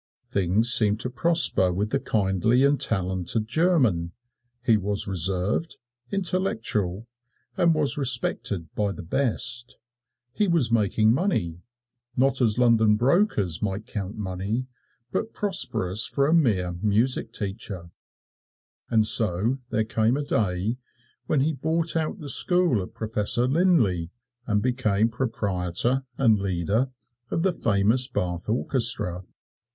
Things seemed to prosper with the kindly and talented German. He was reserved, intellectual, and was respected by the best. He was making money not as London brokers might count money, but prosperous for a mere music teacher. And so there came a day when he bought out the school of Professor Linlay, and became proprietor and leader of the famous Bath Orchestra.